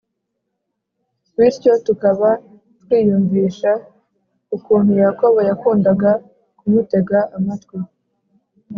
bityo tukaba twiyumvisha ukuntu Yakobo yakundaga kumutega amatwi